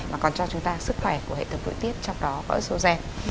mà còn cho chúng ta sức khỏe của hệ tập vụ tiết trong đó có ớt sô gen